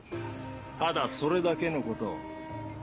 ただそれだけのこと。